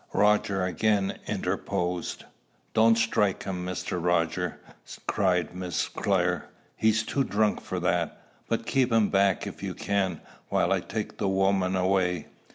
Roger again interposed. "Don't strike him, Mr. Roger," cried Miss Clare: "he's too drunk for that. But keep him back if you can, while I take the woman away.